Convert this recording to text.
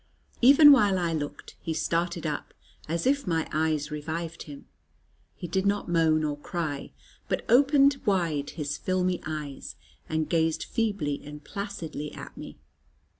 Even while I looked, he started up, as if my eyes revived him. He did not moan or cry; but opened wide his filmy eyes, and gazed feebly and placidly at me.